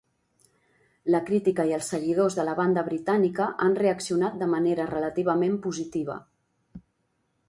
La crítica i els seguidors de la banda britànica han reaccionat de manera relativament positiva.